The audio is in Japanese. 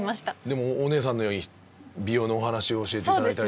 でもおねえさんのように美容のお話を教えていただいたりとか。